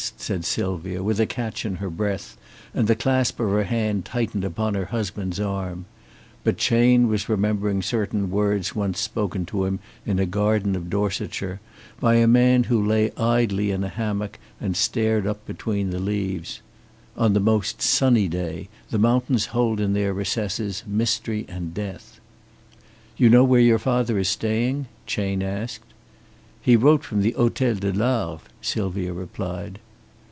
said Sylvia, with a catch in her breath, and the clasp of her hand tightened upon her husband's arm. But Chayne was remembering certain words once spoken to him in a garden of Dorsetshire, by a man who lay idly in a hammock and stared up between the leaves. "On the most sunny day, the mountains hold in their recesses mystery and death." "You know where your father is staying?" Chayne asked. "He wrote from the Hôtel de l'Arve," Sylvia replied.